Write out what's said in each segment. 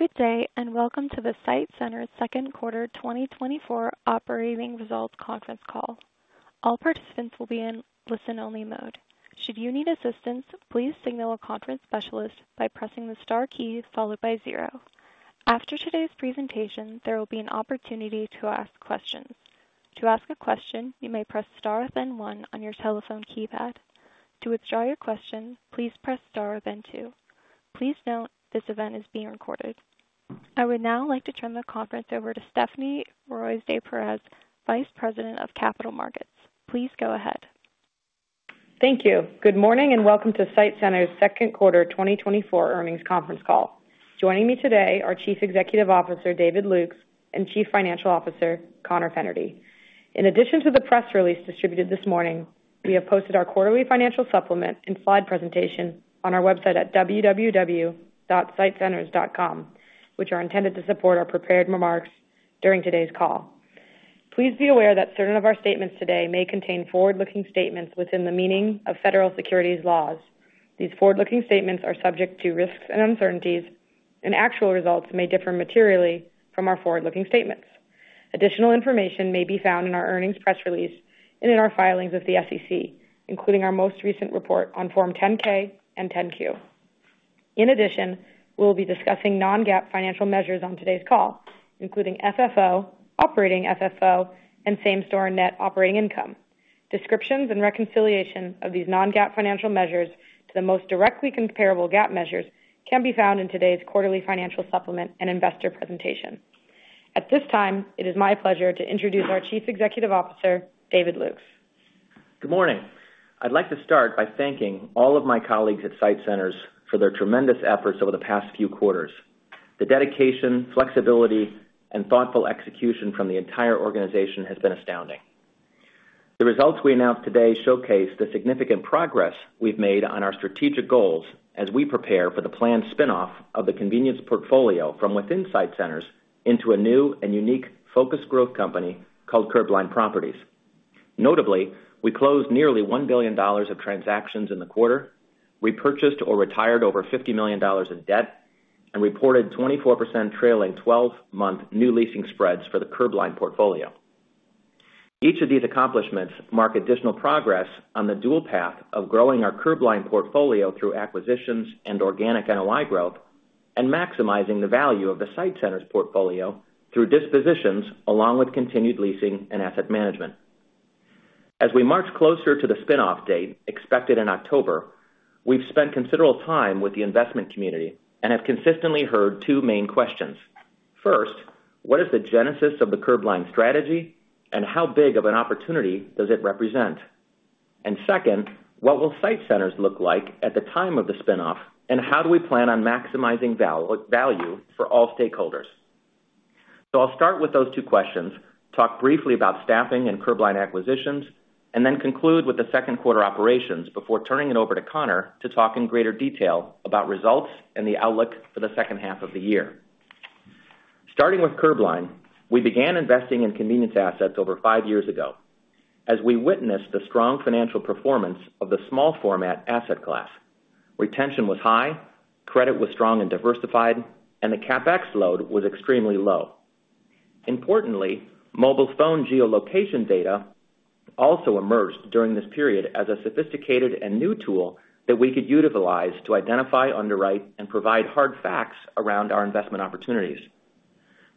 Good day and welcome to the SITE Centers Second Quarter 2024 Operating Results Conference Call. All participants will be in listen-only mode. Should you need assistance, please signal a conference specialist by pressing the star key followed by zero. After today's presentation, there will be an opportunity to ask questions. To ask a question, you may press star then one on your telephone keypad. To withdraw your question, please press star then two. Please note this event is being recorded. I would now like to turn the conference over to Stephanie Ruys de Perez, Vice President of Capital Markets. Please go ahead. Thank you. Good morning and welcome to SITE Centers Second Quarter 2024 Earnings Conference Call. Joining me today are Chief Executive Officer David Lukes and Chief Financial Officer Conor Fennerty. In addition to the press release distributed this morning, we have posted our quarterly financial supplement and slide presentation on our website at www.sitecenters.com, which are intended to support our prepared remarks during today's call. Please be aware that certain of our statements today may contain forward-looking statements within the meaning of federal securities laws. These forward-looking statements are subject to risks and uncertainties, and actual results may differ materially from our forward-looking statements. Additional information may be found in our earnings press release and in our filings with the SEC, including our most recent report on Form 10-K and 10-Q. In addition, we'll be discussing non-GAAP financial measures on today's call, including FFO, operating FFO, and same-store net operating income. Descriptions and reconciliation of these non-GAAP financial measures to the most directly comparable GAAP measures can be found in today's quarterly financial supplement and investor presentation. At this time, it is my pleasure to introduce our Chief Executive Officer, David Lukes. Good morning. I'd like to start by thanking all of my colleagues at SITE Centers for their tremendous efforts over the past few quarters. The dedication, flexibility, and thoughtful execution from the entire organization has been astounding. The results we announced today showcase the significant progress we've made on our strategic goals as we prepare for the planned spinoff of the convenience portfolio from within SITE Centers into a new and unique focused growth company called Curbline Properties. Notably, we closed nearly $1 billion of transactions in the quarter, repurchased or retired over $50 million in debt, and reported 24% trailing 12-month new leasing spreads for the Curbline portfolio. Each of these accomplishments marks additional progress on the dual path of growing our Curbline portfolio through acquisitions and organic NOI growth, and maximizing the value of the SITE Centers portfolio through dispositions along with continued leasing and asset management. As we march closer to the spinoff date expected in October, we've spent considerable time with the investment community and have consistently heard two main questions. First, what is the genesis of the Curbline strategy, and how big of an opportunity does it represent? And second, what will SITE Centers look like at the time of the spinoff, and how do we plan on maximizing value for all stakeholders? So I'll start with those two questions, talk briefly about staffing and Curbline acquisitions, and then conclude with the second quarter operations before turning it over to Conor to talk in greater detail about results and the outlook for the second half of the year. Starting with Curbline, we began investing in convenience assets over five years ago as we witnessed the strong financial performance of the small-format asset class. Retention was high, credit was strong and diversified, and the CapEx load was extremely low. Importantly, mobile phone geolocation data also emerged during this period as a sophisticated and new tool that we could utilize to identify, underwrite, and provide hard facts around our investment opportunities.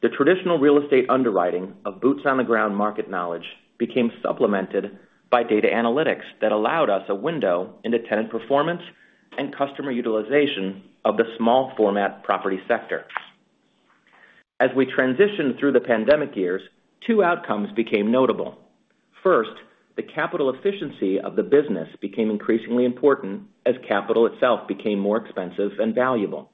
The traditional real estate underwriting of boots-on-the-ground market knowledge became supplemented by data analytics that allowed us a window into tenant performance and customer utilization of the small-format property sector. As we transitioned through the pandemic years, two outcomes became notable. First, the capital efficiency of the business became increasingly important as capital itself became more expensive and valuable.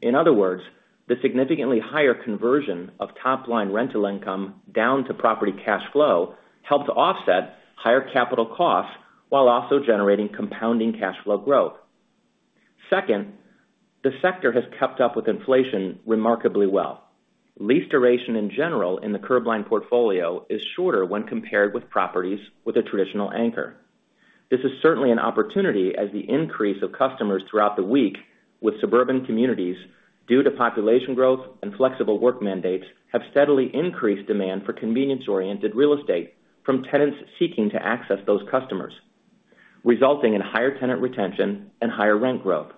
In other words, the significantly higher conversion of top-line rental income down to property cash flow helped offset higher capital costs while also generating compounding cash flow growth. Second, the sector has kept up with inflation remarkably well. Lease duration in general in the Curbline portfolio is shorter when compared with properties with a traditional anchor. This is certainly an opportunity as the increase of customers throughout the week with suburban communities due to population growth and flexible work mandates have steadily increased demand for convenience-oriented real estate from tenants seeking to access those customers, resulting in higher tenant retention and higher rent growth.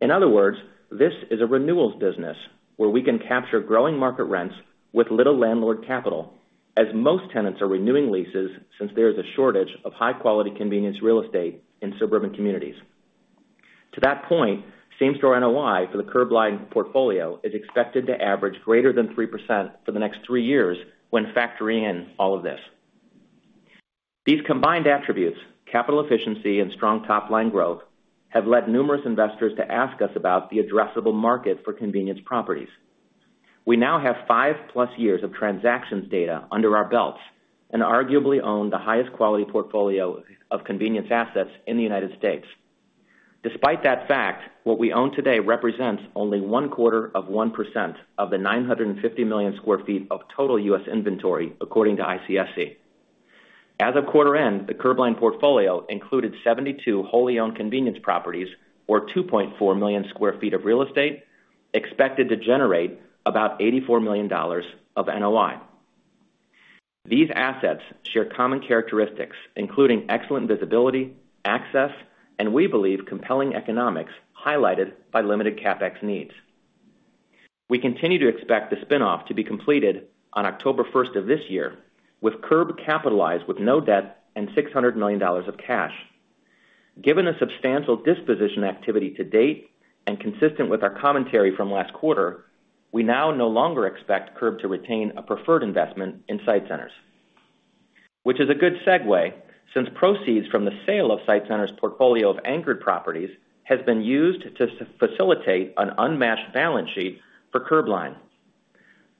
In other words, this is a renewals business where we can capture growing market rents with little landlord capital as most tenants are renewing leases since there is a shortage of high-quality convenience real estate in suburban communities. To that point, same-store NOI for the Curbline portfolio is expected to average greater than 3% for the next three years when factoring in all of this. These combined attributes, capital efficiency and strong top-line growth, have led numerous investors to ask us about the addressable market for convenience properties. We now have 5+ years of transactions data under our belts and arguably own the highest quality portfolio of convenience assets in the United States. Despite that fact, what we own today represents only one quarter of 1% of the 950 million sq ft of total U.S. inventory, according to ICSC. As of quarter end, the Curbline portfolio included 72 wholly owned convenience properties or 2.4 million sq ft of real estate expected to generate about $84 million of NOI. These assets share common characteristics, including excellent visibility, access, and we believe compelling economics highlighted by limited CapEx needs. We continue to expect the spinoff to be completed on October 1st of this year with Curbline capitalized with no debt and $600 million of cash. Given the substantial disposition activity to date and consistent with our commentary from last quarter, we now no longer expect Curbline to retain a preferred investment in SITE Centers, which is a good segue since proceeds from the sale of SITE Centers' portfolio of anchored properties have been used to facilitate an unmatched balance sheet for Curbline.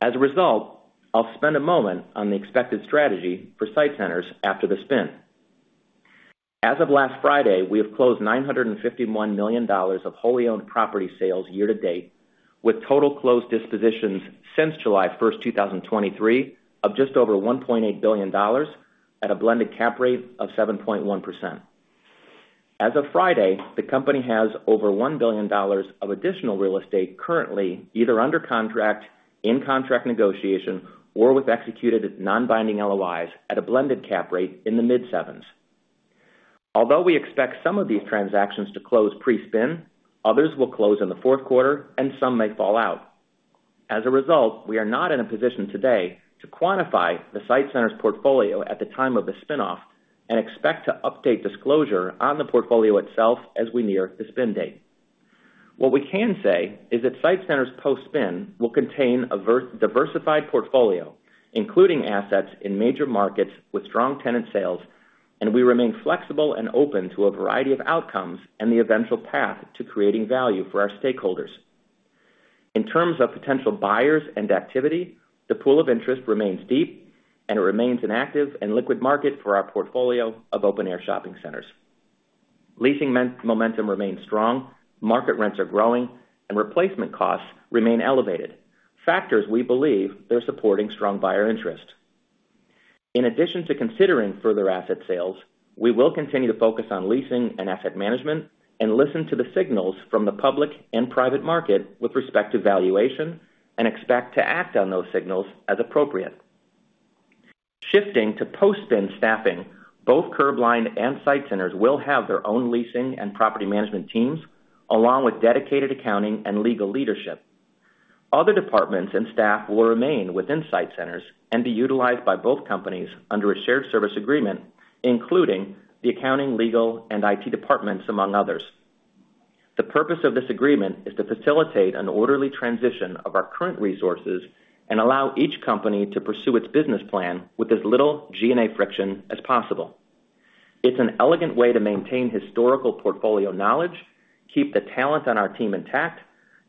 As a result, I'll spend a moment on the expected strategy for SITE Centers after the spin. As of last Friday, we have closed $951 million of wholly owned property sales year to date, with total closed dispositions since July 1st, 2023, of just over $1.8 billion at a blended cap rate of 7.1%. As of Friday, the company has over $1 billion of additional real estate currently either under contract, in contract negotiation, or with executed non-binding LOIs at a blended cap rate in the mid-sevens. Although we expect some of these transactions to close pre-spin, others will close in the fourth quarter, and some may fall out. As a result, we are not in a position today to quantify the SITE Centers' portfolio at the time of the spinoff and expect to update disclosure on the portfolio itself as we near the spin date. What we can say is that SITE Centers' post-spin will contain a diversified portfolio, including assets in major markets with strong tenant sales, and we remain flexible and open to a variety of outcomes and the eventual path to creating value for our stakeholders. In terms of potential buyers and activity, the pool of interest remains deep, and it remains an active and liquid market for our portfolio of open-air shopping centers. Leasing momentum remains strong, market rents are growing, and replacement costs remain elevated, factors we believe they're supporting strong buyer interest. In addition to considering further asset sales, we will continue to focus on leasing and asset management and listen to the signals from the public and private market with respect to valuation and expect to act on those signals as appropriate. Shifting to post-spin staffing, both Curbline and SITE Centers will have their own leasing and property management teams along with dedicated accounting and legal leadership. Other departments and staff will remain within SITE Centers and be utilized by both companies under a shared service agreement, including the accounting, legal, and IT departments, among others. The purpose of this agreement is to facilitate an orderly transition of our current resources and allow each company to pursue its business plan with as little G&A friction as possible. It's an elegant way to maintain historical portfolio knowledge, keep the talent on our team intact,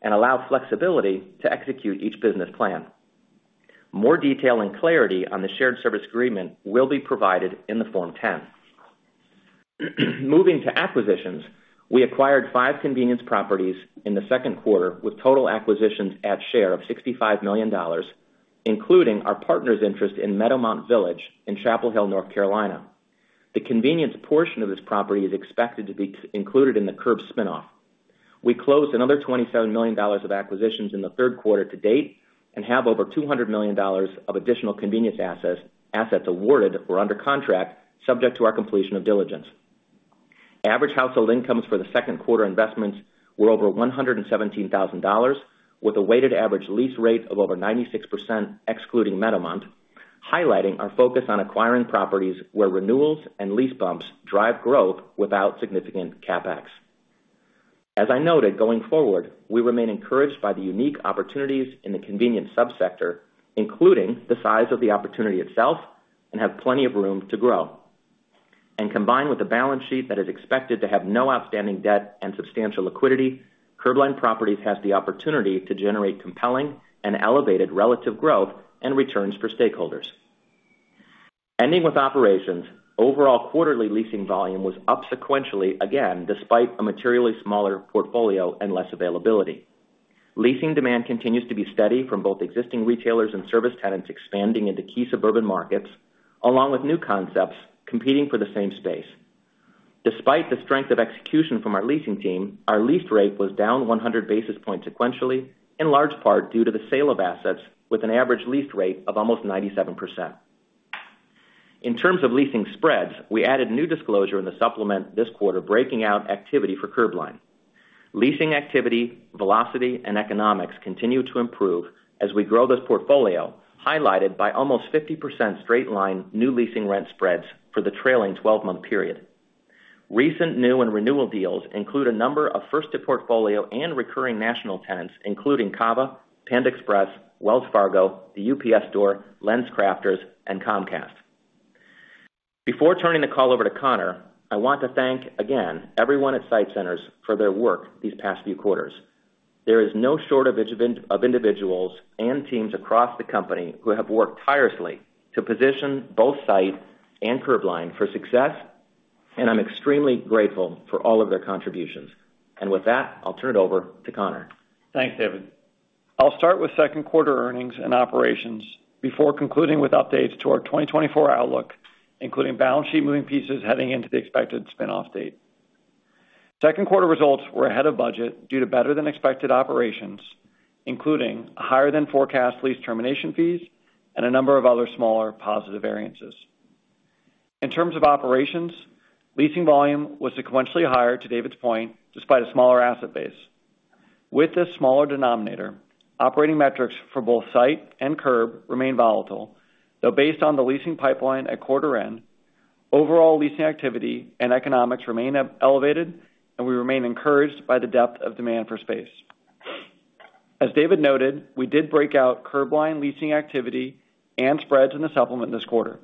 and allow flexibility to execute each business plan. More detail and clarity on the shared service agreement will be provided in the Form 10. Moving to acquisitions, we acquired five convenience properties in the second quarter with total acquisitions at share of $65 million, including our partner's interest in Meadowmont Village in Chapel Hill, North Carolina. The convenience portion of this property is expected to be included in the Curb spinoff. We closed another $27 million of acquisitions in the third quarter to date and have over $200 million of additional convenience assets awarded or under contract, subject to our completion of diligence. Average household incomes for the second quarter investments were over $117,000, with a weighted average lease rate of over 96% excluding Meadowmont, highlighting our focus on acquiring properties where renewals and lease bumps drive growth without significant CapEx. As I noted, going forward, we remain encouraged by the unique opportunities in the convenience subsector, including the size of the opportunity itself, and have plenty of room to grow. Combined with the balance sheet that is expected to have no outstanding debt and substantial liquidity, Curbline Properties has the opportunity to generate compelling and elevated relative growth and returns for stakeholders. Ending with operations, overall quarterly leasing volume was up sequentially again despite a materially smaller portfolio and less availability. Leasing demand continues to be steady from both existing retailers and service tenants expanding into key suburban markets, along with new concepts competing for the same space. Despite the strength of execution from our leasing team, our lease rate was down 100 basis points sequentially, in large part due to the sale of assets with an average lease rate of almost 97%. In terms of leasing spreads, we added new disclosure in the supplement this quarter breaking out activity for Curbline. Leasing activity, velocity, and economics continue to improve as we grow this portfolio, highlighted by almost 50% straight-line new leasing rent spreads for the trailing 12-month period. Recent new and renewal deals include a number of first-to-portfolio and recurring national tenants, including Cava, Panda Express, Wells Fargo, The UPS Store, LensCrafters, and Comcast. Before turning the call over to Conor, I want to thank again everyone at SITE Centers for their work these past few quarters. There is no shortage of individuals and teams across the company who have worked tirelessly to position both SITE and Curbline for success, and I'm extremely grateful for all of their contributions. With that, I'll turn it over to Conor. Thanks, David. I'll start with second quarter earnings and operations before concluding with updates to our 2024 outlook, including balance sheet moving pieces heading into the expected spinoff date. Second quarter results were ahead of budget due to better-than-expected operations, including higher-than-forecast lease termination fees and a number of other smaller positive variances. In terms of operations, leasing volume was sequentially higher to David's point, despite a smaller asset base. With this smaller denominator, operating metrics for both SITE and Curbline remain volatile, though based on the leasing pipeline at quarter end, overall leasing activity and economics remain elevated, and we remain encouraged by the depth of demand for space. As David noted, we did break out Curbline leasing activity and spreads in the supplement this quarter.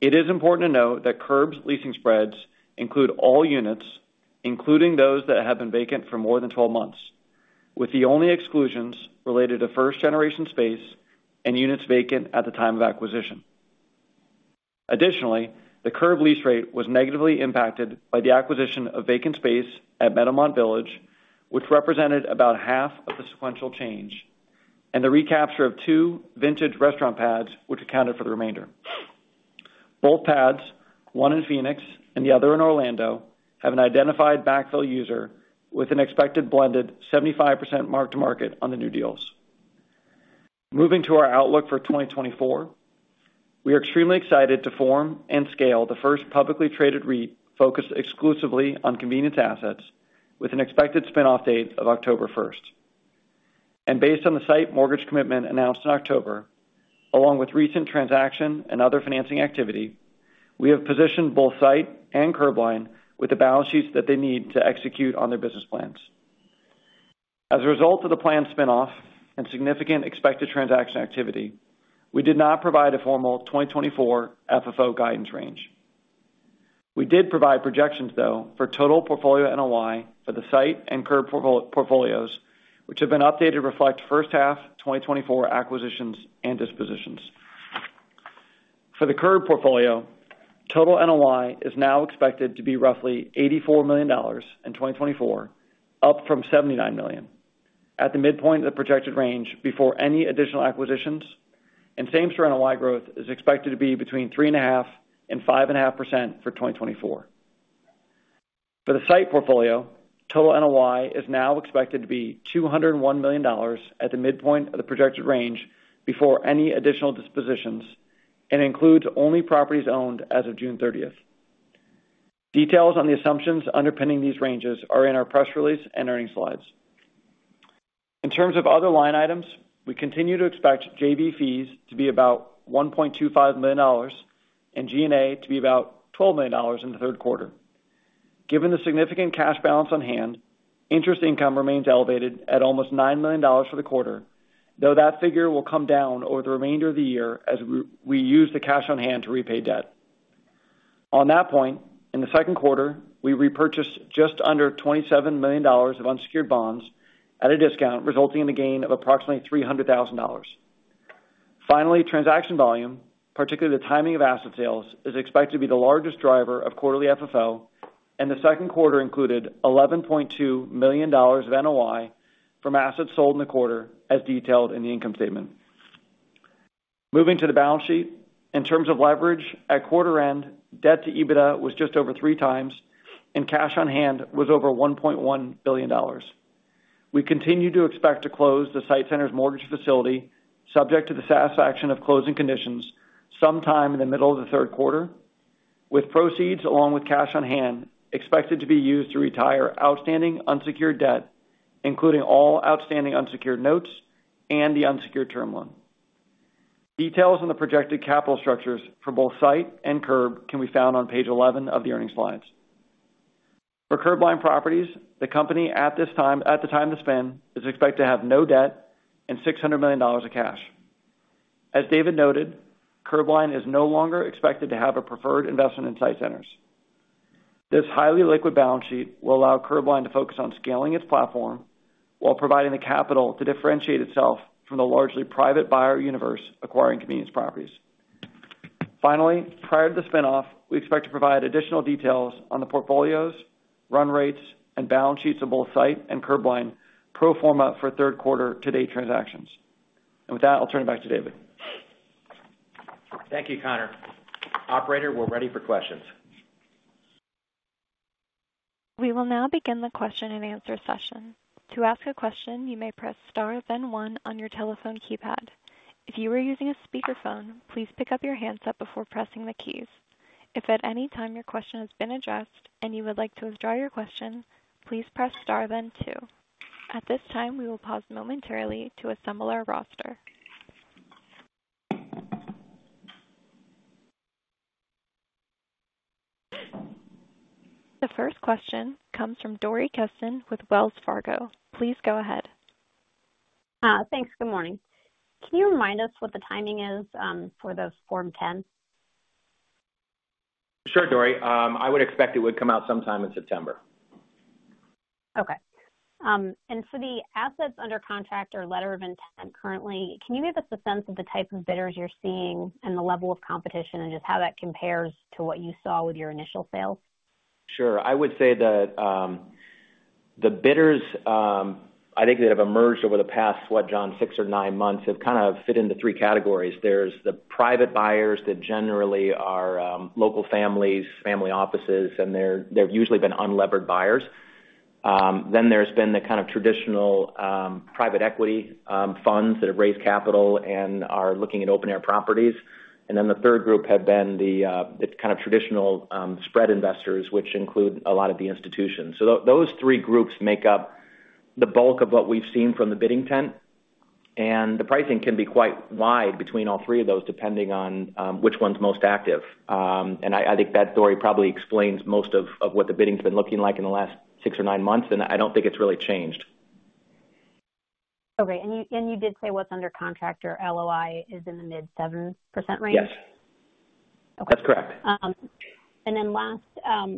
It is important to note that Curb's leasing spreads include all units, including those that have been vacant for more than 12 months, with the only exclusions related to first-generation space and units vacant at the time of acquisition. Additionally, the Curb lease rate was negatively impacted by the acquisition of vacant space at Meadowmont Village, which represented about half of the sequential change, and the recapture of two vintage restaurant pads, which accounted for the remainder. Both pads, one in Phoenix and the other in Orlando, have an identified backfill user with an expected blended 75% mark-to-market on the new deals. Moving to our outlook for 2024, we are extremely excited to form and scale the first publicly traded REIT focused exclusively on convenience assets with an expected spinoff date of October 1st. And based on the SITE mortgage commitment announced in October, along with recent transaction and other financing activity, we have positioned both SITE and Curbline with the balance sheets that they need to execute on their business plans. As a result of the planned spinoff and significant expected transaction activity, we did not provide a formal 2024 FFO guidance range. We did provide projections, though, for total portfolio NOI for the SITE and Curbline portfolios, which have been updated to reflect first half 2024 acquisitions and dispositions. For the Curbline portfolio, total NOI is now expected to be roughly $84 million in 2024, up from $79 million, at the midpoint of the projected range before any additional acquisitions, and same-store NOI growth is expected to be between 3.5% and 5.5% for 2024. For the SITE portfolio, total NOI is now expected to be $201 million at the midpoint of the projected range before any additional dispositions and includes only properties owned as of June 30th. Details on the assumptions underpinning these ranges are in our press release and earnings slides. In terms of other line items, we continue to expect JV fees to be about $1.25 million and G&A to be about $12 million in the third quarter. Given the significant cash balance on hand, interest income remains elevated at almost $9 million for the quarter, though that figure will come down over the remainder of the year as we use the cash on hand to repay debt. On that point, in the second quarter, we repurchased just under $27 million of unsecured bonds at a discount, resulting in a gain of approximately $300,000. Finally, transaction volume, particularly the timing of asset sales, is expected to be the largest driver of quarterly FFO, and the second quarter included $11.2 million of NOI from assets sold in the quarter, as detailed in the income statement. Moving to the balance sheet, in terms of leverage, at quarter end, debt to EBITDA was just over 3x, and cash on hand was over $1.1 billion. We continue to expect to close the SITE Centers mortgage facility, subject to the satisfaction of closing conditions, sometime in the middle of the third quarter, with proceeds along with cash on hand expected to be used to retire outstanding unsecured debt, including all outstanding unsecured notes and the unsecured term loan. Details on the projected capital structures for both SITE and Curb can be found on page 11 of the earnings slides. For Curbline Properties, the company at the time of the spin is expected to have no debt and $600 million of cash. As David noted, Curbline is no longer expected to have a preferred investment in SITE Centers. This highly liquid balance sheet will allow Curbline to focus on scaling its platform while providing the capital to differentiate itself from the largely private buyer universe acquiring convenience properties. Finally, prior to the spinoff, we expect to provide additional details on the portfolios, run rates, and balance sheets of both SITE and Curbline pro forma for third quarter to date transactions. With that, I'll turn it back to David. Thank you, Conor. Operator, we're ready for questions. We will now begin the question and answer session. To ask a question, you may press star then one on your telephone keypad. If you are using a speakerphone, please pick up the handset before pressing the keys. If at any time your question has been addressed and you would like to withdraw your question, please press star then two. At this time, we will pause momentarily to assemble our roster. The first question comes from Dory Kesten with Wells Fargo. Please go ahead. Thanks. Good morning. Can you remind us what the timing is for those Form 10? Sure, Dory. I would expect it would come out sometime in September. Okay. And for the assets under contract or letter of intent currently, can you give us a sense of the type of bidders you're seeing and the level of competition and just how that compares to what you saw with your initial sales? Sure. I would say that the bidders, I think, that have emerged over the past, what, John, six or nine months have kind of fit into three categories. There's the private buyers that generally are local families, family offices, and they've usually been unlevered buyers. Then there's been the kind of traditional private equity funds that have raised capital and are looking at open-air properties. And then the third group have been the kind of traditional spread investors, which include a lot of the institutions. So those three groups make up the bulk of what we've seen from the bidding tent. And the pricing can be quite wide between all three of those depending on which one's most active. And I think that story probably explains most of what the bidding's been looking like in the last six months or nine months, and I don't think it's really changed. Okay. You did say what's under contract or LOI is in the mid-7% range? Yes. That's correct. And then last,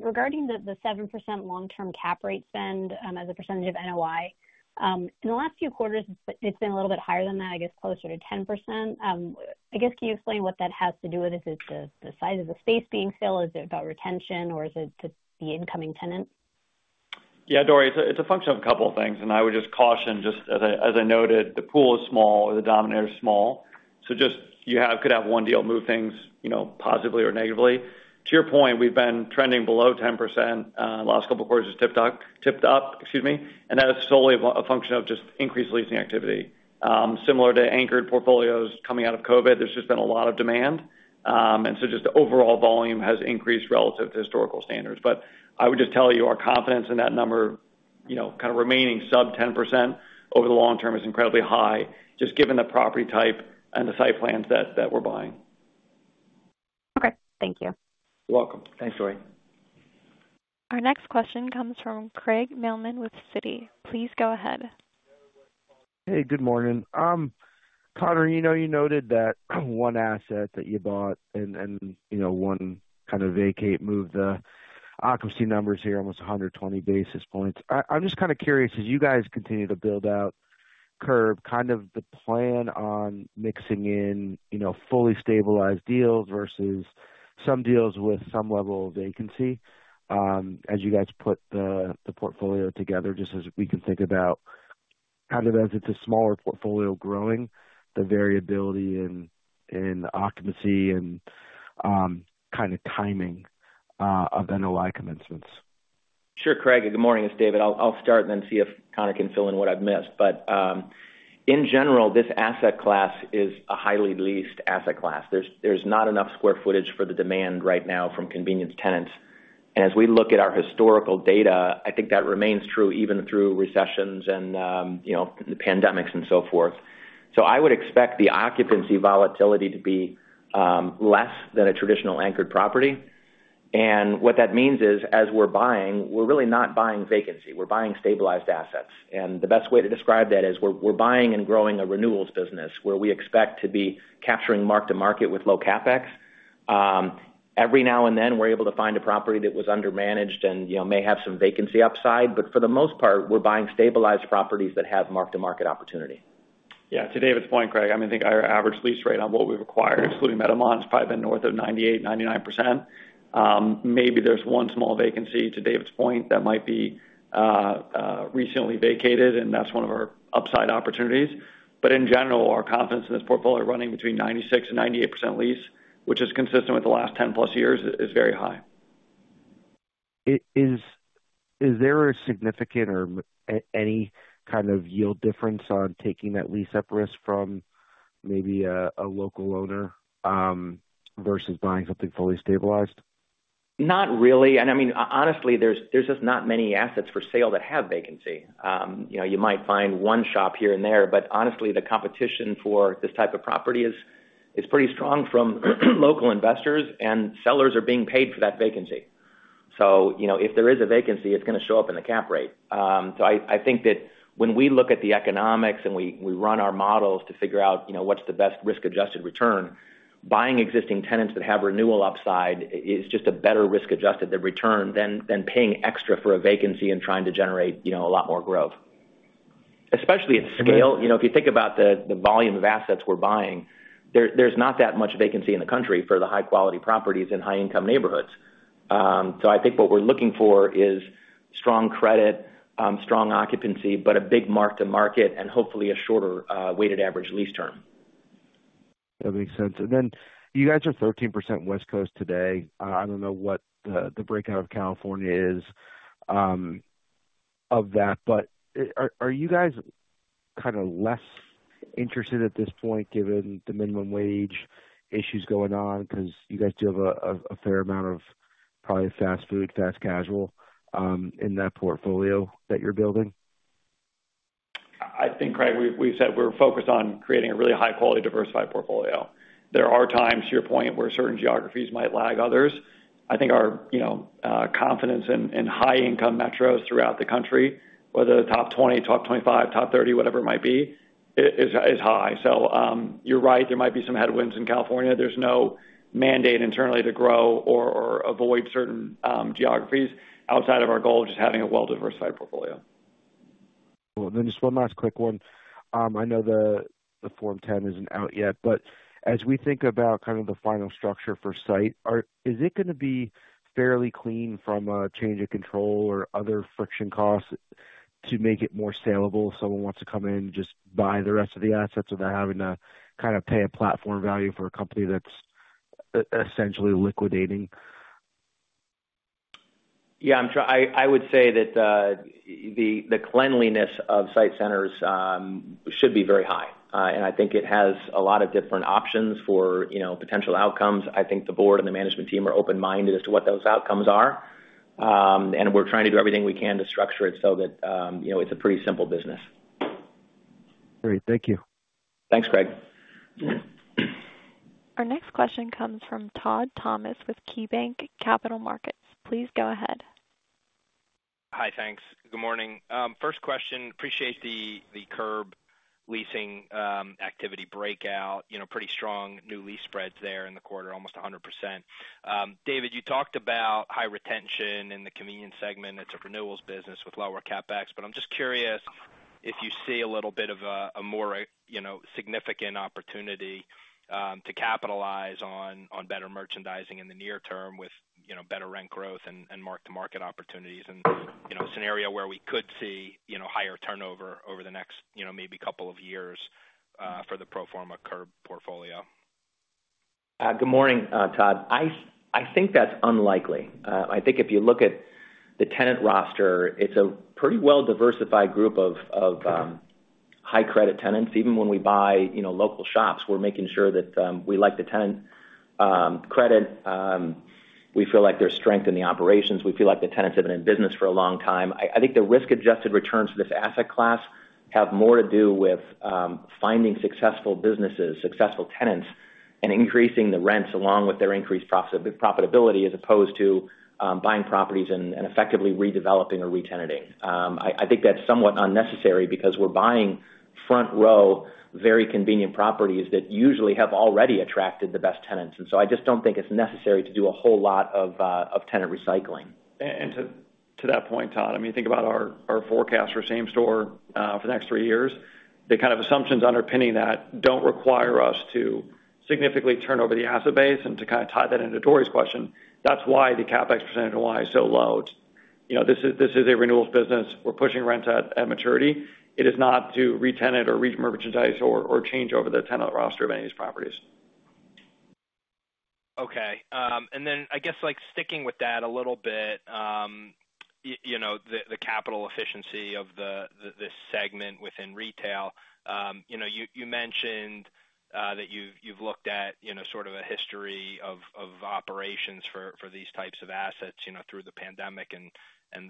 regarding the 7% long-term cap rate spend as a percentage of NOI, in the last few quarters, it's been a little bit higher than that, I guess closer to 10%. I guess, can you explain what that has to do with? Is it the size of the space being filled? Is it about retention, or is it the incoming tenant? Yeah, Dory, it's a function of a couple of things. I would just caution, just as I noted, the pool is small or the denominator is small. So just you could have one deal move things positively or negatively. To your point, we've been trending below 10%. The last couple of quarters just tipped up, excuse me, and that's solely a function of just increased leasing activity. Similar to anchored portfolios coming out of COVID, there's just been a lot of demand. And so just overall volume has increased relative to historical standards. But I would just tell you our confidence in that number kind of remaining sub 10% over the long term is incredibly high, just given the property type and the site plans that we're buying. Okay. Thank you. You're welcome. Thanks, Dory. Our next question comes from Craig Mailman with Citi. Please go ahead. Hey, good morning. Conor, you know you noted that one asset that you bought and one kind of vacate moved the occupancy numbers here, almost 120 basis points. I'm just kind of curious, as you guys continue to build out Curb, kind of the plan on mixing in fully stabilized deals versus some deals with some level of vacancy, as you guys put the portfolio together, just as we can think about kind of as it's a smaller portfolio growing, the variability in occupancy and kind of timing of NOI commencements? Sure, Craig. Good morning, it's David. I'll start and then see if Conor can fill in what I've missed. In general, this asset class is a highly leased asset class. There's not enough square footage for the demand right now from convenience tenants. As we look at our historical data, I think that remains true even through recessions and pandemics and so forth. I would expect the occupancy volatility to be less than a traditional anchored property. What that means is, as we're buying, we're really not buying vacancy. We're buying stabilized assets. The best way to describe that is we're buying and growing a renewals business where we expect to be capturing mark-to-market with low CapEx. Every now and then, we're able to find a property that was undermanaged and may have some vacancy upside. But for the most part, we're buying stabilized properties that have mark-to-market opportunity. Yeah. To David's point, Craig, I mean, I think our average lease rate on what we've acquired, including Meadowmont, is probably been north of 98%-99%. Maybe there's one small vacancy, to David's point, that might be recently vacated, and that's one of our upside opportunities. But in general, our confidence in this portfolio running between 96%-98% lease, which is consistent with the last 10+ years, is very high. Is there a significant or any kind of yield difference on taking that lease up risk from maybe a local owner versus buying something fully stabilized? Not really. I mean, honestly, there's just not many assets for sale that have vacancy. You might find one shop here and there, but honestly, the competition for this type of property is pretty strong from local investors, and sellers are being paid for that vacancy. So if there is a vacancy, it's going to show up in the cap rate. So I think that when we look at the economics and we run our models to figure out what's the best risk-adjusted return, buying existing tenants that have renewal upside is just a better risk-adjusted return than paying extra for a vacancy and trying to generate a lot more growth. Especially at scale, if you think about the volume of assets we're buying, there's not that much vacancy in the country for the high-quality properties in high-income neighborhoods. So I think what we're looking for is strong credit, strong occupancy, but a big mark-to-market and hopefully a shorter weighted average lease term. That makes sense. And then you guys are 13% West Coast today. I don't know what the breakout of California is of that, but are you guys kind of less interested at this point given the minimum wage issues going on? Because you guys do have a fair amount of probably fast food, fast casual in that portfolio that you're building? I think, Craig, we've said we're focused on creating a really high-quality diversified portfolio. There are times, to your point, where certain geographies might lag others. I think our confidence in high-income metros throughout the country, whether the top 20, top 25, top 30, whatever it might be, is high. So you're right, there might be some headwinds in California. There's no mandate internally to grow or avoid certain geographies outside of our goal of just having a well-diversified portfolio. Well, then just one last quick one. I know the Form 10 isn't out yet, but as we think about kind of the final structure for SITE, is it going to be fairly clean from a change of control or other friction costs to make it more saleable if someone wants to come in and just buy the rest of the assets without having to kind of pay a platform value for a company that's essentially liquidating? Yeah, I would say that the cleanliness of SITE Centers should be very high. And I think it has a lot of different options for potential outcomes. I think the board and the management team are open-minded as to what those outcomes are. And we're trying to do everything we can to structure it so that it's a pretty simple business. Great. Thank you. Thanks, Craig. Our next question comes from Todd Thomas with KeyBanc Capital Markets. Please go ahead. Hi, thanks. Good morning. First question, appreciate the Curb leasing activity breakout. Pretty strong new lease spreads there in the quarter, almost 100%. David, you talked about high retention in the convenience segment. It's a renewals business with lower CapEx. But I'm just curious if you see a little bit of a more significant opportunity to capitalize on better merchandising in the near term with better rent growth and mark-to-market opportunities in a scenario where we could see higher turnover over the next maybe couple of years for the pro forma Curb portfolio. Good morning, Todd. I think that's unlikely. I think if you look at the tenant roster, it's a pretty well-diversified group of high-credit tenants. Even when we buy local shops, we're making sure that we like the tenant credit. We feel like there's strength in the operations. We feel like the tenants have been in business for a long time. I think the risk-adjusted returns for this asset class have more to do with finding successful businesses, successful tenants, and increasing the rents along with their increased profitability as opposed to buying properties and effectively redeveloping or re-tenanting. I think that's somewhat unnecessary because we're buying front-row very convenient properties that usually have already attracted the best tenants. And so I just don't think it's necessary to do a whole lot of tenant recycling. To that point, Todd, I mean, you think about our forecast for same-store for the next three years. The kind of assumptions underpinning that don't require us to significantly turn over the asset base and to kind of tie that into Dory's question. That's why the CapEx percentage of NOI is so low. This is a renewals business. We're pushing rents at maturity. It is not to re-tenant or re-merchandise or change over the tenant roster of any of these properties. Okay. And then I guess sticking with that a little bit, the capital efficiency of this segment within retail, you mentioned that you've looked at sort of a history of operations for these types of assets through the pandemic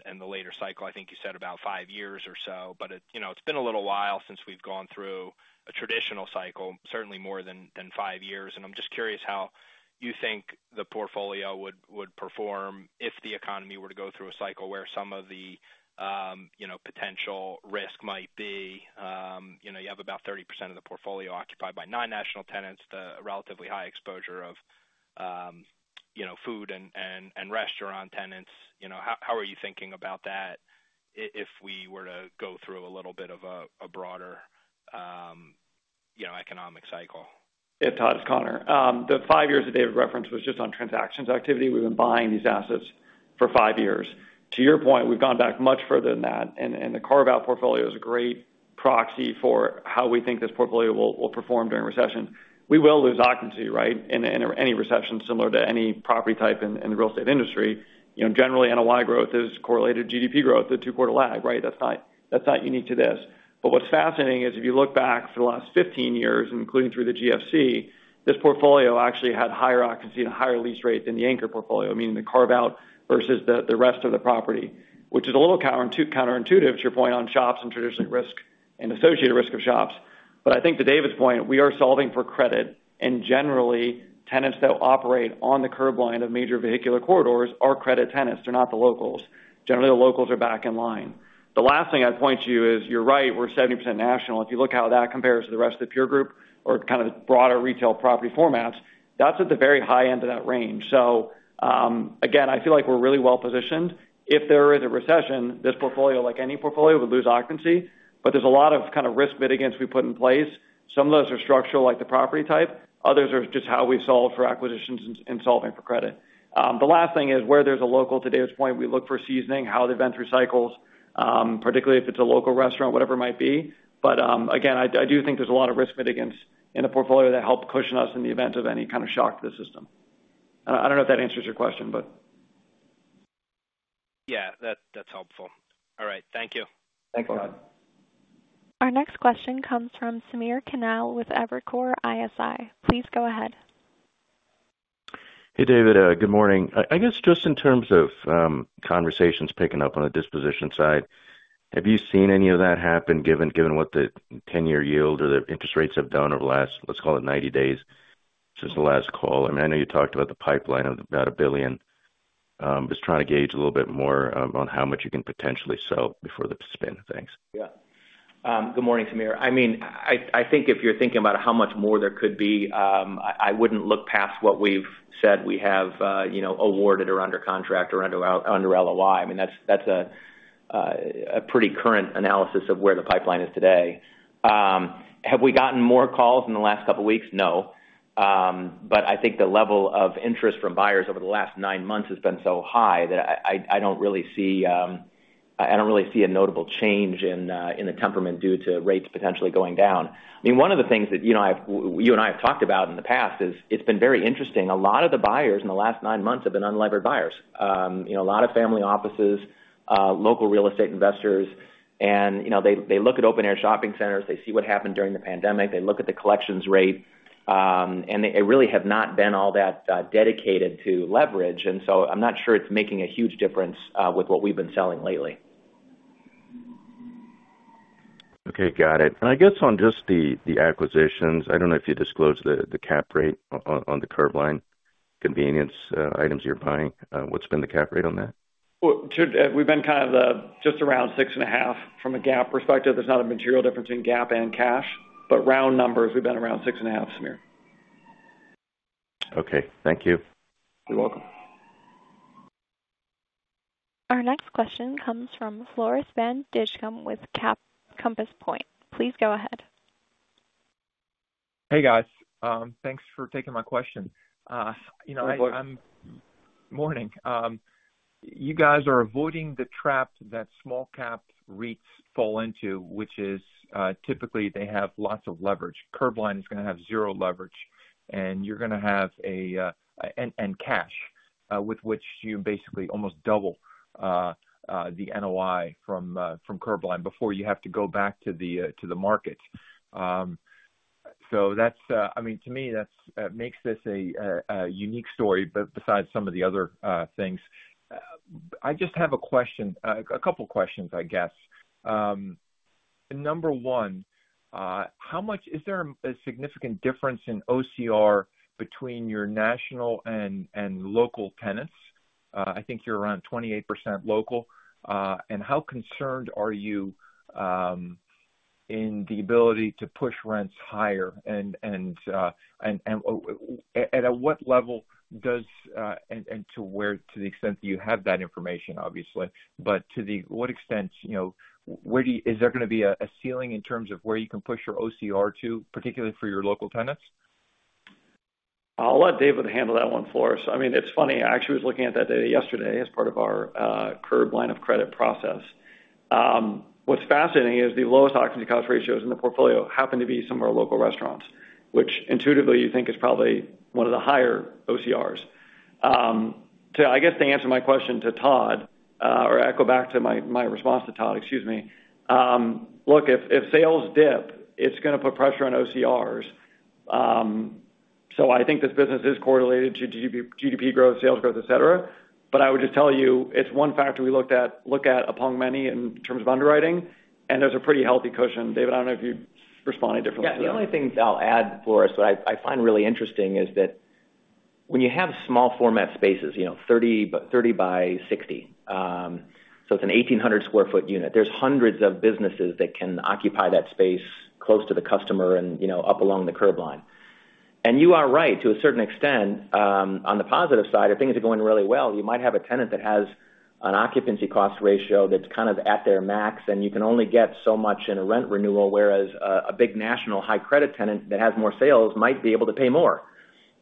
and the later cycle. I think you said about five years or so, but it's been a little while since we've gone through a traditional cycle, certainly more than five years. And I'm just curious how you think the portfolio would perform if the economy were to go through a cycle where some of the potential risk might be. You have about 30% of the portfolio occupied by non-national tenants, the relatively high exposure of food and restaurant tenants. How are you thinking about that if we were to go through a little bit of a broader economic cycle? Yeah, Todd, it's Conor. The five years that David referenced was just on transactions activity. We've been buying these assets for five years. To your point, we've gone back much further than that. And the carve-out portfolio is a great proxy for how we think this portfolio will perform during recessions. We will lose occupancy, right, in any recession similar to any property type in the real estate industry. Generally, NOI growth is correlated to GDP growth, the two-quarter lag, right? That's not unique to this. But what's fascinating is if you look back for the last 15 years, including through the GFC, this portfolio actually had higher occupancy and higher lease rate than the anchor portfolio, meaning the carve-out versus the rest of the property, which is a little counterintuitive to your point on shops and traditionally risk and associated risk of shops. But I think to David's point, we are solving for credit. And generally, tenants that operate on the curb line of major vehicular corridors are credit tenants. They're not the locals. Generally, the locals are back in line. The last thing I'd point to you is you're right, we're 70% national. If you look how that compares to the rest of the peer group or kind of broader retail property formats, that's at the very high end of that range. So again, I feel like we're really well positioned. If there is a recession, this portfolio, like any portfolio, would lose occupancy. But there's a lot of kind of risk mitigants we put in place. Some of those are structural, like the property type. Others are just how we've solved for acquisitions and solving for credit. The last thing is where there's a local, to David's point, we look for seasoning, how the event recycles, particularly if it's a local restaurant, whatever it might be. But again, I do think there's a lot of risk mitigants in the portfolio that help cushion us in the event of any kind of shock to the system. I don't know if that answers your question, but. Yeah, that's helpful. All right. Thank you. Thanks, Todd. Our next question comes from Samir Khanal with Evercore ISI. Please go ahead. Hey, David. Good morning. I guess just in terms of conversations picking up on the disposition side, have you seen any of that happen given what the 10-year yield or the interest rates have done over the last, let's call it, 90 days since the last call? I mean, I know you talked about the pipeline of about $1 billion. Just trying to gauge a little bit more on how much you can potentially sell before the spin. Thanks. Yeah. Good morning, Samir. I mean, I think if you're thinking about how much more there could be, I wouldn't look past what we've said we have awarded or under contract or under LOI. I mean, that's a pretty current analysis of where the pipeline is today. Have we gotten more calls in the last couple of weeks? No. But I think the level of interest from buyers over the last nine months has been so high that I don't really see I don't really see a notable change in the temperament due to rates potentially going down. I mean, one of the things that you and I have talked about in the past is it's been very interesting. A lot of the buyers in the last nine months have been unlevered buyers. A lot of family offices, local real estate investors. And they look at open-air shopping centers. They see what happened during the pandemic. They look at the collections rate. They really have not been all that dedicated to leverage. So I'm not sure it's making a huge difference with what we've been selling lately. Okay. Got it. And I guess on just the acquisitions, I don't know if you disclosed the cap rate on the Curbline convenience items you're buying. What's been the cap rate on that? We've been kind of just around 6.5 from a GAAP perspective. There's not a material difference in GAAP and cash. But round numbers, we've been around 6.5, Samir. Okay. Thank you. You're welcome. Our next question comes from Floris van Dijkum with Compass Point. Please go ahead. Hey, guys. Thanks for taking my question. Good morning. Good morning. You guys are avoiding the trap that small cap REITs fall into, which is typically they have lots of leverage. Curbline is going to have zero leverage. And you're going to have and cash, with which you basically almost double the NOI from Curbline before you have to go back to the market. So I mean, to me, that makes this a unique story besides some of the other things. I just have a question, a couple of questions, I guess. Number one, is there a significant difference in OCR between your national and local tenants? I think you're around 28% local. And how concerned are you in the ability to push rents higher? And at what level does, and to the extent that you have that information, obviously, but to what extent is there going to be a ceiling in terms of where you can push your OCR to, particularly for your local tenants? I'll let David handle that one for us. I mean, it's funny. I actually was looking at that data yesterday as part of our Curbline line of credit process. What's fascinating is the lowest occupancy cost ratios in the portfolio happen to be some of our local restaurants, which intuitively you think is probably one of the higher OCRs. So I guess to answer my question to Todd or echo back to my response to Todd, excuse me. Look, if sales dip, it's going to put pressure on OCRs. So I think this business is correlated to GDP growth, sales growth, etc. But I would just tell you it's one factor we look at among many in terms of underwriting. And there's a pretty healthy cushion. David, I don't know if you responded differently to that. Yeah. The only thing I'll add, Floris, what I find really interesting is that when you have small format spaces, 30 by 60, so it's an 1,800 sq ft unit, there's hundreds of businesses that can occupy that space close to the customer and up along the curb line. And you are right to a certain extent. On the positive side, if things are going really well, you might have a tenant that has an occupancy cost ratio that's kind of at their max, and you can only get so much in a rent renewal, whereas a big national high-credit tenant that has more sales might be able to pay more.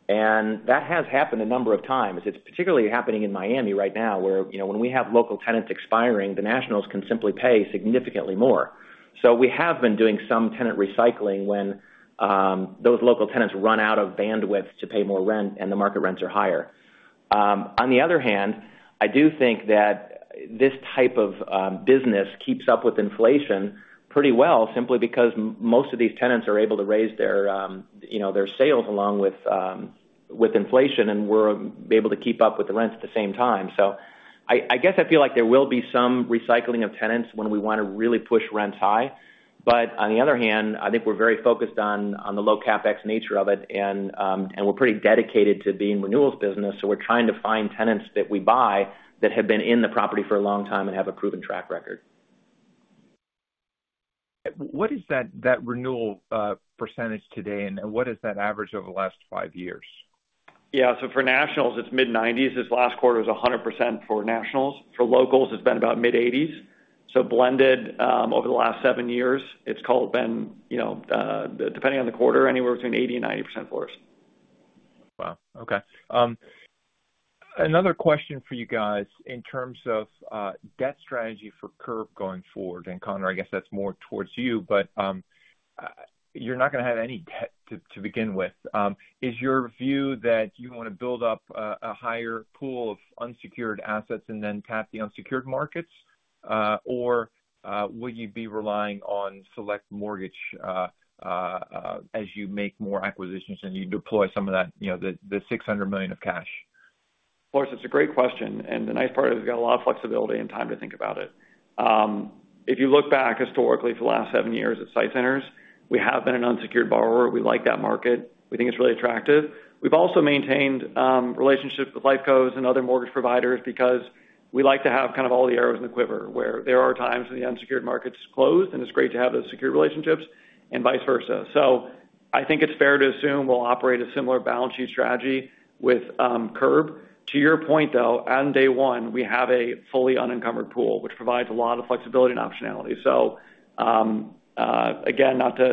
And that has happened a number of times. It's particularly happening in Miami right now where when we have local tenants expiring, the nationals can simply pay significantly more. So we have been doing some tenant recycling when those local tenants run out of bandwidth to pay more rent, and the market rents are higher. On the other hand, I do think that this type of business keeps up with inflation pretty well simply because most of these tenants are able to raise their sales along with inflation and were able to keep up with the rents at the same time. So I guess I feel like there will be some recycling of tenants when we want to really push rents high. But on the other hand, I think we're very focused on the low CapEx nature of it. And we're pretty dedicated to being renewals business. So we're trying to find tenants that we buy that have been in the property for a long time and have a proven track record. What is that renewal percentage today? And what is that average over the last five years? Yeah. So for nationals, it's mid-90s. This last quarter was 100% for nationals. For locals, it's been about mid-80s. So blended over the last seven years, it's kinda been depending on the quarter, anywhere between 80%-90%, Floris. Wow. Okay. Another question for you guys in terms of debt strategy for Curb going forward. Conor, I guess that's more towards you, but you're not going to have any debt to begin with. Is your view that you want to build up a higher pool of unsecured assets and then tap the unsecured markets? Or will you be relying on select mortgage as you make more acquisitions and you deploy some of that, the $600 million of cash? Floris, that's a great question. The nice part is we've got a lot of flexibility and time to think about it. If you look back historically for the last seven years at SITE Centers, we have been an unsecured borrower. We like that market. We think it's really attractive. We've also maintained relationships with LifeCos and other mortgage providers because we like to have kind of all the arrows in the quiver where there are times when the unsecured market's closed, and it's great to have those secure relationships and vice versa. So I think it's fair to assume we'll operate a similar balance sheet strategy with Curb. To your point, though, on day one, we have a fully unencumbered pool, which provides a lot of flexibility and optionality. So again, not to,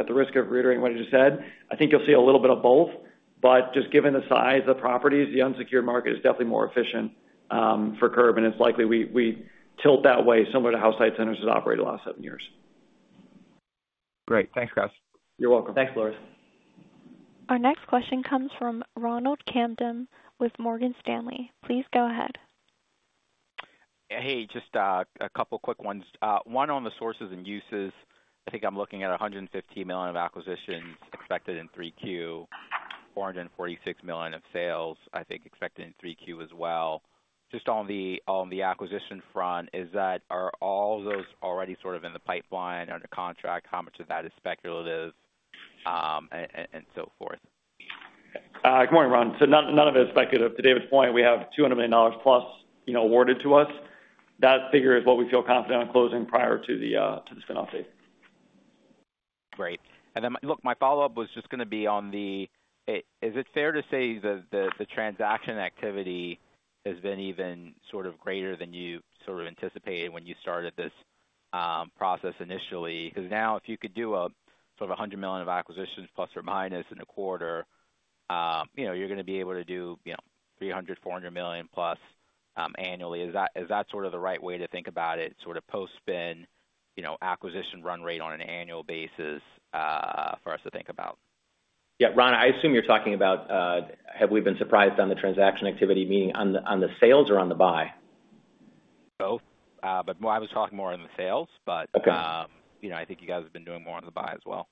at the risk of reiterating what I just said, I think you'll see a little bit of both. But just given the size of the properties, the unsecured market is definitely more efficient for Curb. And it's likely we tilt that way similar to how SITE Centers has operated the last seven years. Great. Thanks, guys. You're welcome. Thanks, Floris. Our next question comes from Ronald Kamdem with Morgan Stanley. Please go ahead. Hey, just a couple of quick ones. One on the sources and uses. I think I'm looking at $150 million of acquisitions expected in 3Q, $446 million of sales, I think, expected in 3Q as well. Just on the acquisition front, are all those already sort of in the pipeline, under contract? How much of that is speculative and so forth? Good morning, Ron. None of it is speculative. To David's point, we have $200 million+ awarded to us. That figure is what we feel confident on closing prior to the spin-off date. Great. And look, my follow-up was just going to be on the is it fair to say the transaction activity has been even sort of greater than you sort of anticipated when you started this process initially? Because now if you could do a sort of $100 million ± of acquisitions in a quarter, you're going to be able to do $300 million-$400 million+ annually. Is that sort of the right way to think about it, sort of post-spin acquisition run rate on an annual basis for us to think about? Yeah. Ron, I assume you're talking about have we been surprised on the transaction activity, meaning on the sales or on the buy? Both. I was talking more on the sales. I think you guys have been doing more on the buy as well.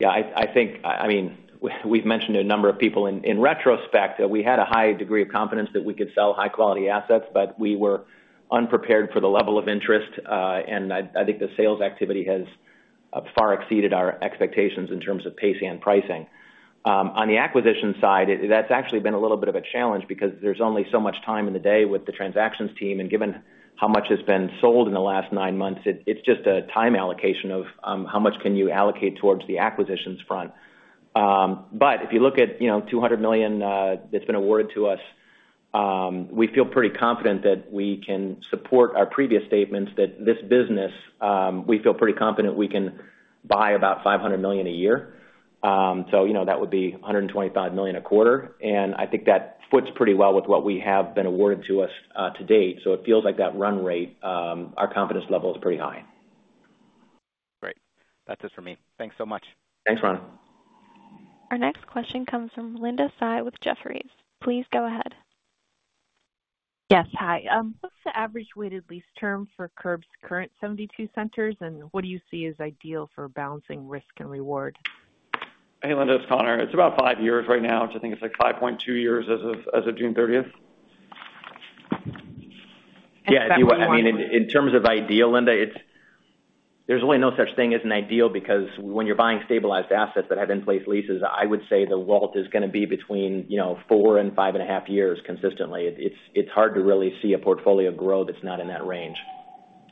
Yeah. I mean, we've mentioned to a number of people in retrospect that we had a high degree of confidence that we could sell high-quality assets, but we were unprepared for the level of interest. And I think the sales activity has far exceeded our expectations in terms of pacing and pricing. On the acquisition side, that's actually been a little bit of a challenge because there's only so much time in the day with the transactions team. And given how much has been sold in the last nine months, it's just a time allocation of how much can you allocate towards the acquisitions front. But if you look at $200 million that's been awarded to us, we feel pretty confident that we can support our previous statements that this business, we feel pretty confident we can buy about $500 million a year. So that would be $125 million a quarter. And I think that foots pretty well with what we have been awarded to us to date. So it feels like that run rate, our confidence level is pretty high. Great. That's it for me. Thanks so much. Thanks, Ron. Our next question comes from Linda Tsai with Jefferies. Please go ahead. Yes. Hi. What's the average weighted lease term for Curb's current 72 centers? And what do you see as ideal for balancing risk and reward? Hey, Linda. It's Conor. It's about five years right now, which I think it's like 5.2 years as of June 30th. Yeah. I mean, in terms of ideal, Linda, there's really no such thing as an ideal because when you're buying stabilized assets that have in-place leases, I would say the WALT is going to be between four years and 5.5 years consistently. It's hard to really see a portfolio grow that's not in that range.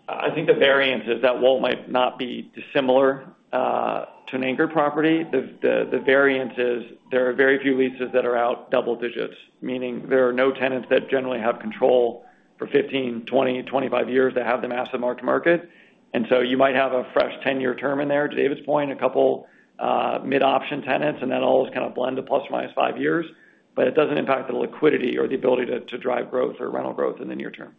I think the variance is that WALT might not be dissimilar to an anchored property. The variance is there are very few leases that are out double digits, meaning there are no tenants that generally have control for 15 years, 20 years, 25 years to have them asset market-to-market. And so you might have a fresh 10-year term in there, to David's point, a couple mid-option tenants, and then all those kind of blend to ±5 years. But it doesn't impact the liquidity or the ability to drive growth or rental growth in the near term.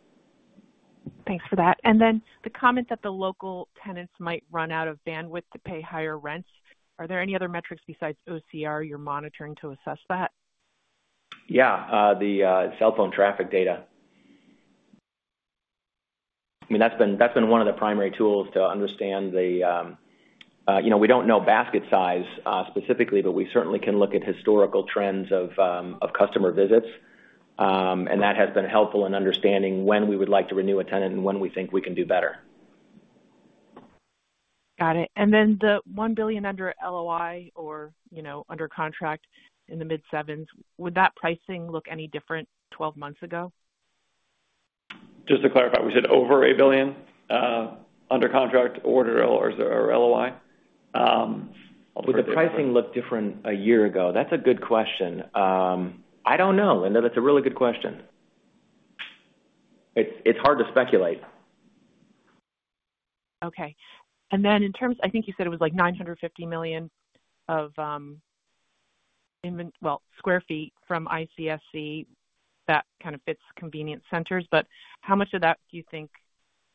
Thanks for that. And then the comment that the local tenants might run out of bandwidth to pay higher rents. Are there any other metrics besides OCR you're monitoring to assess that? Yeah. The cell phone traffic data. I mean, that's been one of the primary tools to understand the, we don't know, basket size specifically, but we certainly can look at historical trends of customer visits. And that has been helpful in understanding when we would like to renew a tenant and when we think we can do better. Got it. Then the $1 billion under LOI or under contract in the mid-7s, would that pricing look any different 12 months ago? Just to clarify, we said over $1 billion under contract or LOI. Would the pricing look different a year ago? That's a good question. I don't know, Linda. That's a really good question. It's hard to speculate. Okay. And then in terms I think you said it was like 950 million sq ft from ICSC that kind of fits convenience centers. But how much of that do you think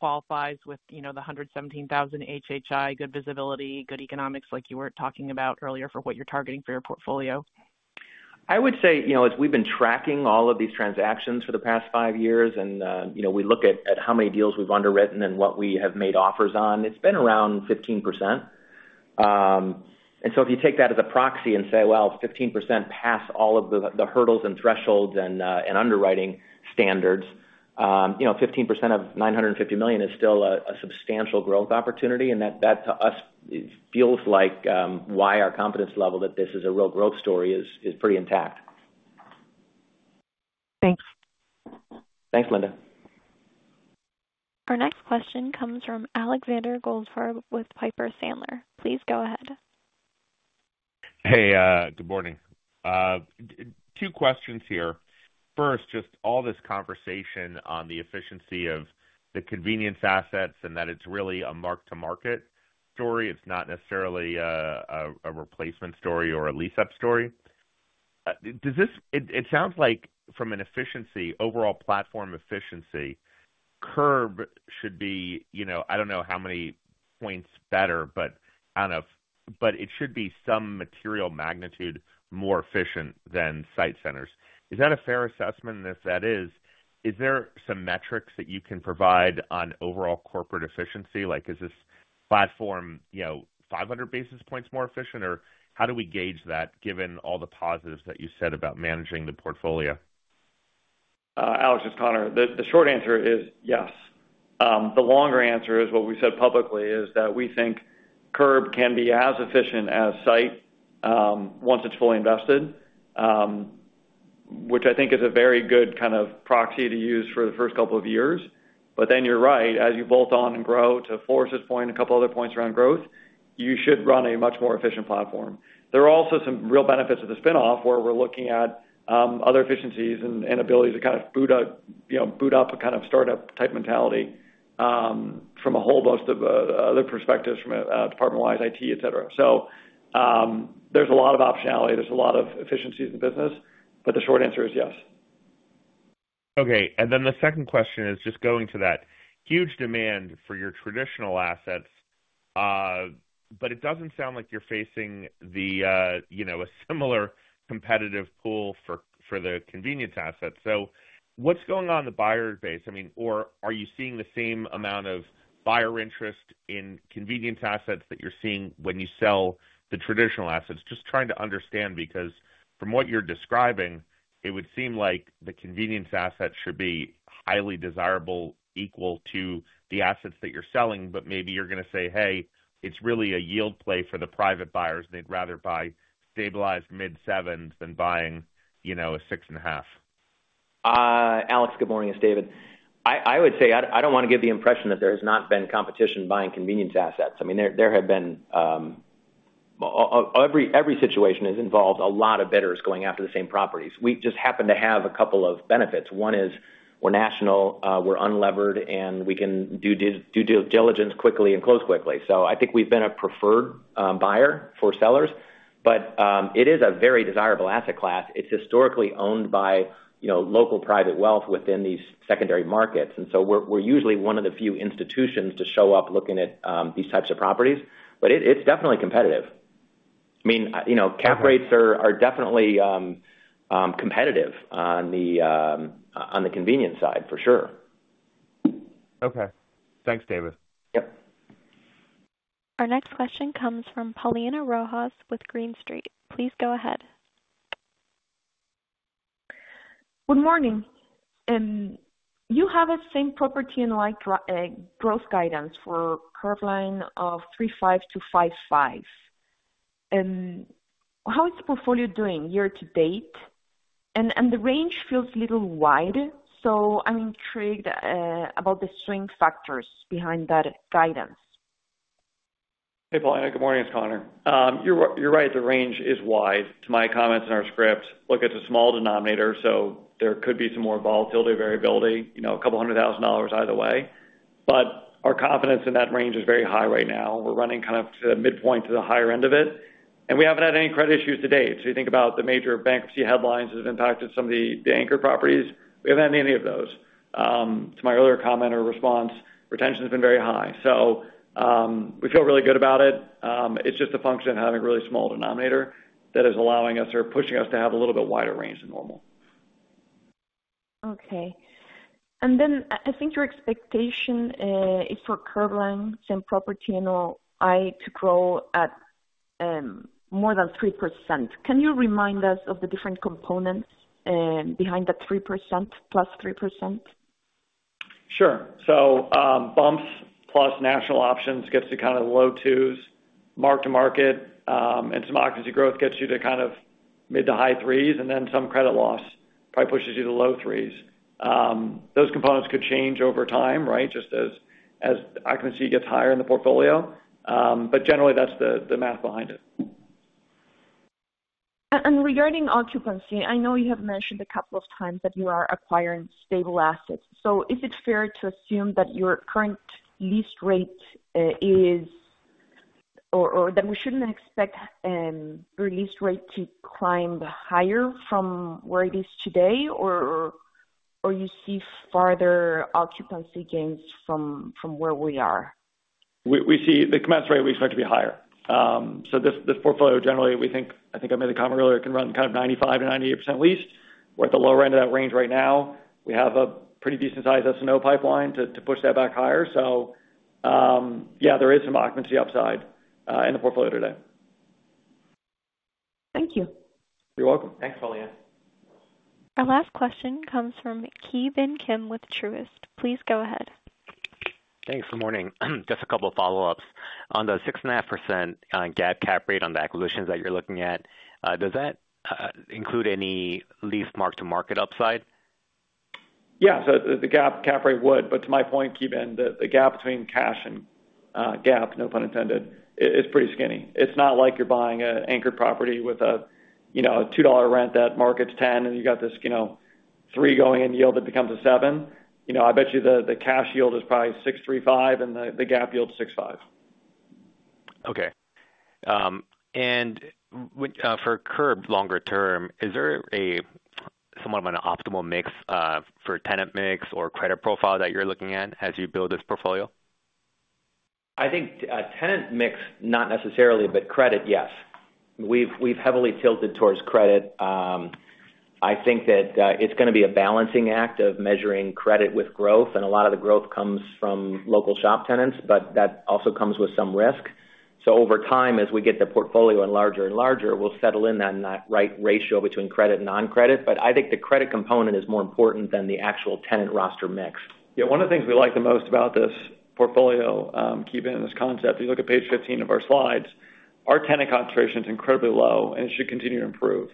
qualifies with the 117,000 HHI, good visibility, good economics like you were talking about earlier for what you're targeting for your portfolio? I would say as we've been tracking all of these transactions for the past five years, and we look at how many deals we've underwritten and what we have made offers on, it's been around 15%. And so if you take that as a proxy and say, "Well, 15% pass all of the hurdles and thresholds and underwriting standards," 15% of $950 million is still a substantial growth opportunity. And that, to us, feels like why our confidence level that this is a real growth story is pretty intact. Thanks. Thanks, Linda. Our next question comes from Alexander Goldfarb with Piper Sandler. Please go ahead. Hey, good morning. Two questions here. First, just all this conversation on the efficiency of the convenience assets and that it's really a mark-to-market story. It's not necessarily a replacement story or a lease-up story. It sounds like from an efficiency, overall platform efficiency, curb should be I don't know how many points better, but it should be some material magnitude more efficient than SITE Centers. Is that a fair assessment? And if that is, is there some metrics that you can provide on overall corporate efficiency? Is this platform 500 basis points more efficient? Or how do we gauge that given all the positives that you said about managing the portfolio? Alex, it's Conor. The short answer is yes. The longer answer is what we said publicly is that we think Curb can be as efficient as SITE once it's fully invested, which I think is a very good kind of proxy to use for the first couple of years. But then you're right. As you bolt on and grow, to Floris's point, a couple of other points around growth, you should run a much more efficient platform. There are also some real benefits of the spinoff where we're looking at other efficiencies and abilities to kind of boot up a kind of startup-type mentality from a whole host of other perspectives from department-wise, IT, etc. So there's a lot of optionality. There's a lot of efficiencies in the business. But the short answer is yes. Okay. Then the second question is just going to that huge demand for your traditional assets, but it doesn't sound like you're facing a similar competitive pool for the convenience assets. So what's going on in the buyer base? I mean, or are you seeing the same amount of buyer interest in convenience assets that you're seeing when you sell the traditional assets? Just trying to understand because from what you're describing, it would seem like the convenience assets should be highly desirable equal to the assets that you're selling. But maybe you're going to say, "Hey, it's really a yield play for the private buyers, and they'd rather buy stabilized mid-7s than buying a 6.5. Alex, good morning. It's David. I would say I don't want to give the impression that there has not been competition buying convenience assets. I mean, there have been. Every situation has involved a lot of bidders going after the same properties. We just happen to have a couple of benefits. One is we're national, we're unlevered, and we can do due diligence quickly and close quickly. So I think we've been a preferred buyer for sellers. But it is a very desirable asset class. It's historically owned by local private wealth within these secondary markets. And so we're usually one of the few institutions to show up looking at these types of properties. But it's definitely competitive. I mean, cap rates are definitely competitive on the convenience side, for sure. Okay. Thanks, David. Yep. Our next question comes from Paulina Rojas with Green Street. Please go ahead. Good morning. You have the same-store NOI growth guidance for Curbline of 3.5%-5.5%. How is the portfolio doing year to date? The range feels a little wide. So I'm intrigued about the strength factors behind that guidance. Hey, Paulina. Good morning. It's Conor. You're right. The range is wide. To my comments in our script, look, it's a small denominator, so there could be some more volatility or variability, $200,000 either way. But our confidence in that range is very high right now. We're running kind of to the midpoint to the higher end of it. And we haven't had any credit issues to date. So you think about the major bankruptcy headlines that have impacted some of the anchor properties. We haven't had any of those. To my earlier comment or response, retention has been very high. So we feel really good about it. It's just a function of having a really small denominator that is allowing us or pushing us to have a little bit wider range than normal. Okay. And then I think your expectation is for Curbline same-store NOI to grow at more than 3%. Can you remind us of the different components behind that 3%, +3%? Sure. So bumps plus national options gets you kind of low twos, mark-to-market, and some occupancy growth gets you to kind of mid- to high threes, and then some credit loss probably pushes you to low threes. Those components could change over time, right, just as occupancy gets higher in the portfolio. But generally, that's the math behind it. Regarding occupancy, I know you have mentioned a couple of times that you are acquiring stable assets. Is it fair to assume that your current lease rate is or that we shouldn't expect your lease rate to climb higher from where it is today, or you see farther occupancy gains from where we are? The commencement rate we expect to be higher. So this portfolio, generally, we think, I think I made the comment earlier, it can run kind of 95%-98% leased. We're at the lower end of that range right now. We have a pretty decent-sized SNO pipeline to push that back higher. So yeah, there is some occupancy upside in the portfolio today. Thank you. You're welcome. Thanks, Paulina. Our last question comes from Ki Bin Kim with Truist. Please go ahead. Hey, good morning. Just a couple of follow-ups. On the 6.5% GAAP cap rate on the acquisitions that you're looking at, does that include any lease mark-to-market upside? Yeah. So the GAAP cap rate would. But to my point, Ki Bin, the gap between cash and GAAP, no pun intended, is pretty skinny. It's not like you're buying an anchored property with a $2 rent that markets 10, and you got this three going in yield that becomes a seven. I bet you the cash yield is probably 6.35 and the GAAP yield is 6.5. Okay. For Curb longer term, is there somewhat of an optimal mix for tenant mix or credit profile that you're looking at as you build this portfolio? I think tenant mix, not necessarily, but credit, yes. We've heavily tilted towards credit. I think that it's going to be a balancing act of measuring credit with growth. A lot of the growth comes from local shop tenants, but that also comes with some risk. Over time, as we get the portfolio larger and larger, we'll settle in that right ratio between credit and non-credit. I think the credit component is more important than the actual tenant roster mix. Yeah. One of the things we like the most about this portfolio, Ki Bin, and this concept, if you look at page 15 of our slides, our tenant concentration is incredibly low, and it should continue to improve.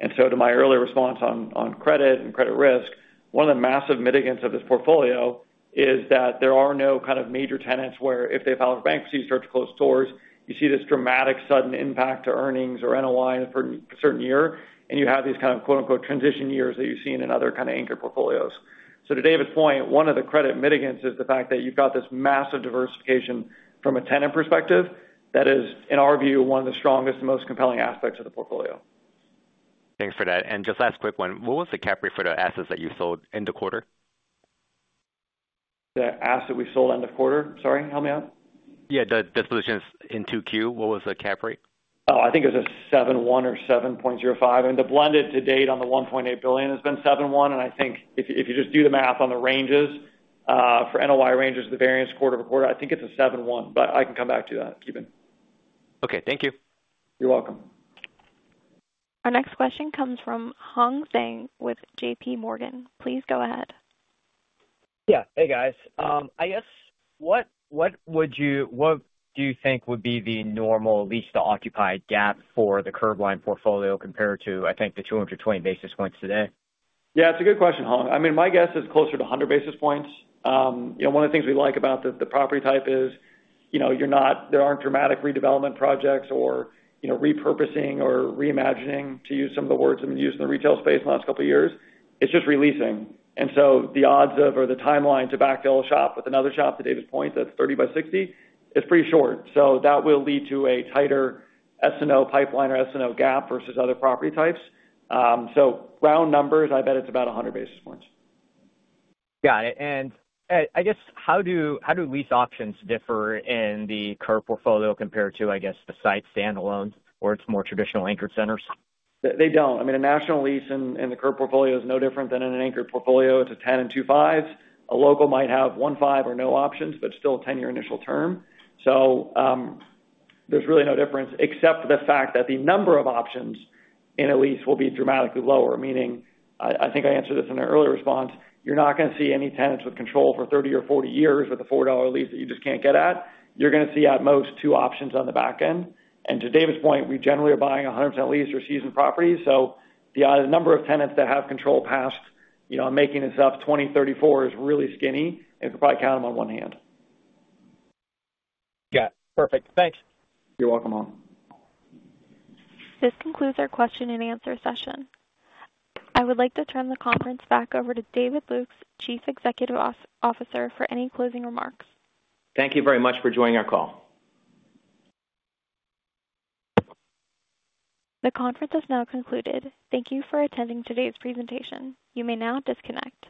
And so to my earlier response on credit and credit risk, one of the massive mitigants of this portfolio is that there are no kind of major tenants where if they file for bankruptcy, start to close stores, you see this dramatic sudden impact to earnings or NOI for a certain year, and you have these kind of "transition years" that you see in other kind of anchor portfolios. So to David's point, one of the credit mitigants is the fact that you've got this massive diversification from a tenant perspective that is, in our view, one of the strongest and most compelling aspects of the portfolio. Thanks for that. And just last quick one. What was the cap rate for the assets that you sold end of quarter? The asset we sold end of quarter? Sorry, help me out. Yeah. Dispositions in 2Q. What was the cap rate? Oh, I think it was a 7.1 or 7.05. And the blended to date on the $1.8 billion has been 7.1. And I think if you just do the math on the ranges for NOI ranges, the variance quarter-over-quarter, I think it's a 7.1. But I can come back to that, Kim. Okay. Thank you. You're welcome. Our next question comes from Hong Zhang with J.P. Morgan. Please go ahead. Yeah. Hey, guys. I guess what do you think would be the normal lease-to-occupy gap for the Curbline portfolio compared to, I think, the 220 basis points today? Yeah. It's a good question, Hong. I mean, my guess is closer to 100 basis points. One of the things we like about the property type is there aren't dramatic redevelopment projects or repurposing or reimagining, to use some of the words I've been using in the retail space in the last couple of years. It's just leasing. And so the odds of or the timeline to backfill a shop with another shop, to David's point, that's 30 by 60, is pretty short. So that will lead to a tighter SNO pipeline or SNO gap versus other property types. So round numbers, I bet it's about 100 basis points. Got it. And I guess how do lease options differ in the Curb portfolio compared to, I guess, the SITE standalones or its more traditional anchored centers? They don't. I mean, a national lease in the Curb portfolio is no different than in an anchored portfolio. It's a 10 and 2.5. A local might have 1.5 or no options, but still a 10-year initial term. So there's really no difference except for the fact that the number of options in a lease will be dramatically lower. Meaning, I think I answered this in an earlier response. You're not going to see any tenants with control for 30 year or 40 years with a $4 lease that you just can't get at. You're going to see at most two options on the back end. And to David's point, we generally are buying 100% lease or seasoned properties. So the number of tenants that have control past, I'm making this up, 2034 is really skinny. And you can probably count them on one hand. Yeah. Perfect. Thanks. You're welcome, Hong. This concludes our question and answer session. I would like to turn the conference back over to David Lukes, Chief Executive Officer, for any closing remarks. Thank you very much for joining our call. The conference is now concluded. Thank you for attending today's presentation. You may now disconnect.